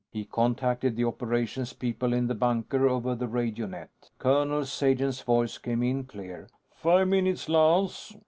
He contacted the Operations people in the bunker over the radio net. Colonel Sagen's voice came in clear: "Five minutes, Lance."